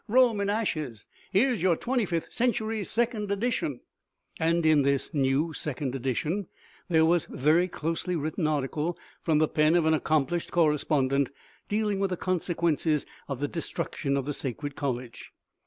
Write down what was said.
Rome in ashes ! Here's your XXVth Century, second edition !" And in this new edition there was a very closely written article, from the pen of an accomplished correspondent, dealing with the consequences of the destruction of the sacred college.